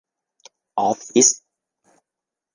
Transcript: ออฟฟิศ